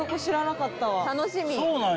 楽しみ。